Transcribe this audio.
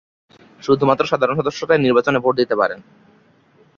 শুধুমাত্র সাধারণ সদস্যরাই নির্বাচনে ভোট দিতে পারেন।